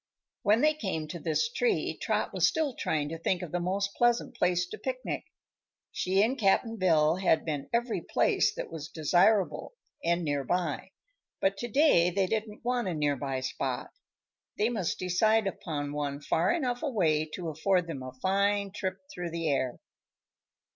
When they came to this tree Trot was still trying to think of the most pleasant place to picnic. She and Cap'n Bill had been every place that was desirable and near by, but to day they didn't want a near by spot. They must decide upon one far enough away to afford them a fine trip through the air.